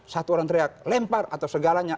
satu orang teriak lempar atau segalanya